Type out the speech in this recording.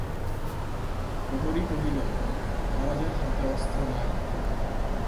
প্রহরী কহিল, মহারাজের হাতে অস্ত্র নাই!